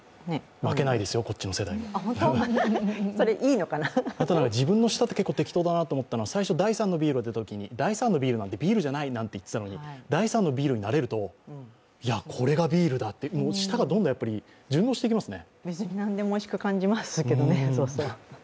負けないですよ、こっちの世代もあと、自分の舌って結構適当だなと思ったのは、最初、第３のビールが出たときには第３のビールなんてビールじゃないと言ってたけど第３のビールになれると、いやこれがビールだと、舌がどんどん順応していきますね。